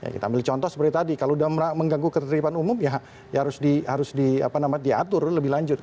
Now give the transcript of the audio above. kita ambil contoh seperti tadi kalau sudah mengganggu ketertiban umum ya harus diatur lebih lanjut